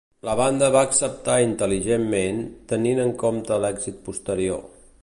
La banda va acceptar intel·ligentment, tenint en compte l'èxit posterior.